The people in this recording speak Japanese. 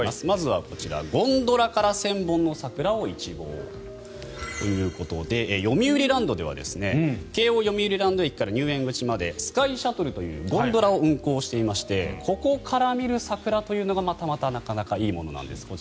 まずはこちら、ゴンドラから１０００本の桜を一望ということでよみうりランドでは京王よみうりランド駅から入園口までスカイシャトルというゴンドラを運行していましてここから見る桜というのがまたなかなかいいものなんです。